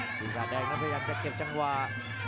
ปีศาจแดงพยายามจะเก็บจังหวา